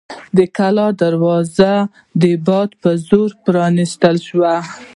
د کلا دروازه د باد په زور پرانیستل شوه.